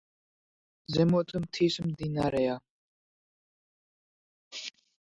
ზემოთ მთის მდინარეა.